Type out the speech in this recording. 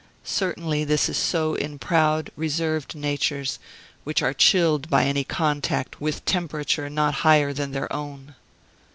Certainly this is so in proud, reserved natures, which are chilled by any contact with temperature not higher than their own.